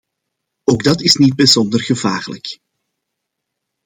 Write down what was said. Ook dat is niet bijzonder gevaarlijk.